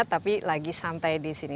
tapi lagi santai di sini